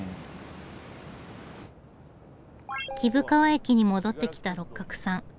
貴生川駅に戻ってきた六角さん。